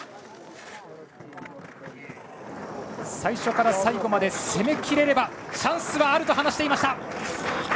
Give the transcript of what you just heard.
最初から最後まで攻め切れればチャンスはあると話していました。